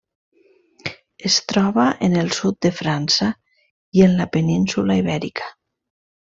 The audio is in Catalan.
Es troba en el sud de França i en la península Ibèrica.